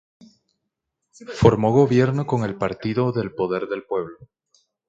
Formó gobierno con el Partido del Poder del Pueblo.